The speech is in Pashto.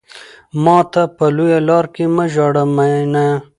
ماته په لويه لار کې مه ژاړه ميننه